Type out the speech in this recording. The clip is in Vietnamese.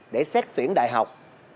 để xét tuyển đại học